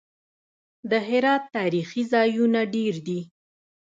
د هرات تاریخي ځایونه ډیر دي